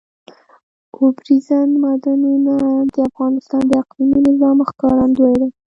اوبزین معدنونه د افغانستان د اقلیمي نظام ښکارندوی ده.